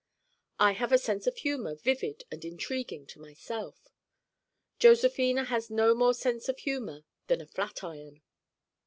I have a sense of humor vivid and intriguing to myself. Josephina has no more sense of humor than a flatiron.